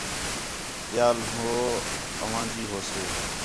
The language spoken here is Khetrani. ٻِیال ہو اوانجی ہوسے